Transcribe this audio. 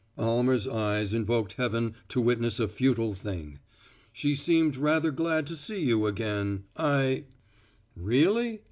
Almer's eyes invoked Heaven to witness a futile thing. "She seemed rather glad to see you again; I " "Really?"